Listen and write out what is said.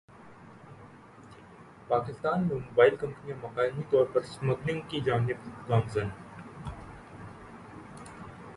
پاکستان میں موبائل کمپنیاں مقامی طور پر اسمبلنگ کی جانب گامزن